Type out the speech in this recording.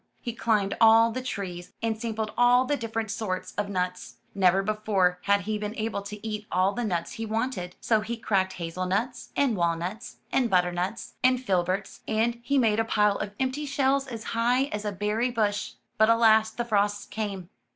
He climbed all the trees, and sampled all the different sorts of nuts. Never before had he been able to eat all the nuts he wanted, so he cracked hazel nuts, and walnuts, and butter nuts, and filberts, and he made a pile of empty shells as high as a berry bush; but alas, the frosts came!